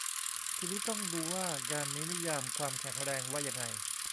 ทีนี้ต้องดูว่างานนี้นิยาม "ความแข็งแรง" ว่ายังไง